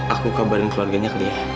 aku kabarin keluarganya ke dia